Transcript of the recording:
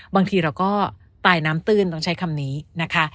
บางทีเราก็ตายน้ำตื้นต้องใช้คำนี้นะคะ